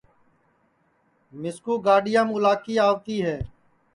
مِسکُو گاڈِؔیام اُلاکی آوتی ہے